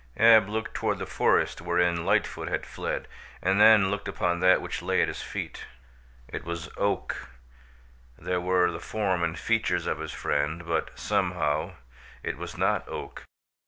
Ab looked toward the forest wherein Lightfoot had fled and then looked upon that which lay at his feet. It was Oak there were the form and features of his friend but, somehow, it was not Oak.